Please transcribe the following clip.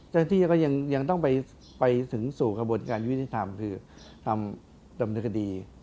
เจ้าหน้าที่ก็ยังต้องไปถึงสู่กระบวนการยุติธรรมคือทำดำเนินคดี